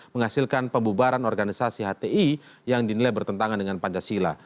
menghasilkan pembubaran organisasi hti yang dinilai bertentangan dengan pancasila